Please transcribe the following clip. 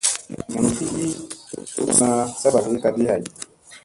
Nam ki duk suuna saɓagibkaɗgi hay.